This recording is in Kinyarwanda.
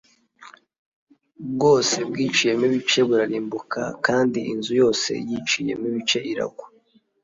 bwose bwiciyemo ibice burarimbuka kandi inzu yose yiciyemo ibice iragwa